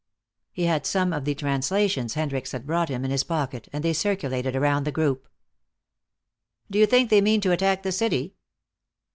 He had some of the translations Hendricks had brought him in his pocket, and they circulated around the group. "Do you think they mean to attack the city?"